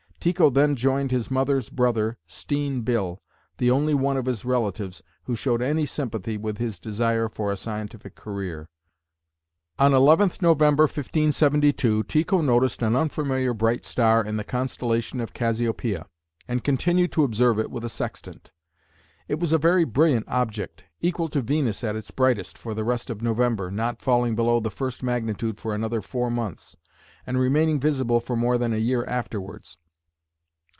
Tycho then joined his mother's brother, Steen Bille, the only one of his relatives who showed any sympathy with his desire for a scientific career. On 11th November, 1572, Tycho noticed an unfamiliar bright star in the constellation of Cassiopeia, and continued to observe it with a sextant. It was a very brilliant object, equal to Venus at its brightest for the rest of November, not falling below the first magnitude for another four months, and remaining visible for more than a year afterwards.